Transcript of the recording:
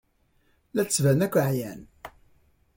La d-ttbanen akk ɛyan.